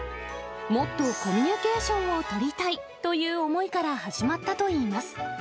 もっとコミュニケーションを取りたいという思いから始まったといいます。